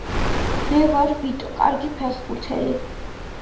მე ვარ ვიტო კარგი ფეხბურთელი